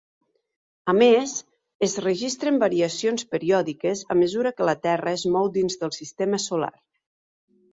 A més, es registren variacions periòdiques a mesura que la Terra es mou dins del sistema solar.